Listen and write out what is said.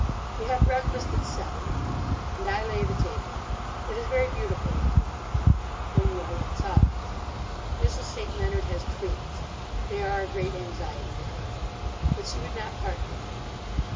We have breakfast at seven. And I lay the table. It is very beautiful in the morning. When you are once up. Mrs. St. Leonard has twins. They are a great anxiety to her. But she would not part from them.